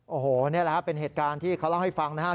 โอ้โหนี่แหละครับเป็นเหตุการณ์ที่เขาเล่าให้ฟังนะครับ